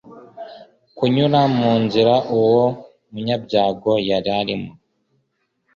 kunyura mu nzira uwo munyabyago yari arimo